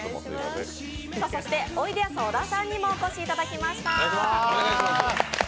そして、おいでやす小田さんにもお越しいただきました。